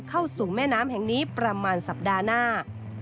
เข้าสู่แม่น้ำแห่งนี้ประมาณสัปดาห์หน้า